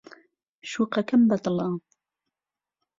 شوقەکەم بەدڵە.